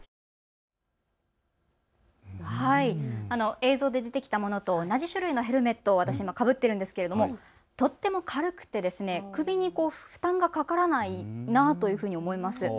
映像で出てきたものと同じ種類のヘルメット、私もかぶっているんですが、とっても軽くて首に負担がかからないなと思います。